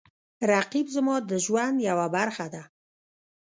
رقیب زما د ژوند یوه برخه ده